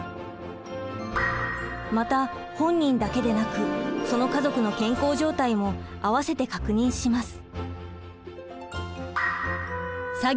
また本人だけでなくその家族の健康状態もあわせて確認します。